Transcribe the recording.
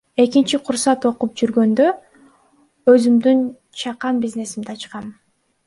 Экинчи курсат окуп жүргөндө өзүмдүн чакан бизнесимди ачкам.